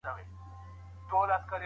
تبادله سوې نجوني تل په عذاب کي وي.